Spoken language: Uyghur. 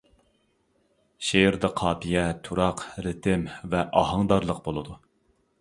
شېئىردا قاپىيە، تۇراق، رىتىم ۋە ئاھاڭدارلىق بولىدۇ.